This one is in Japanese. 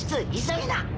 急ぎな！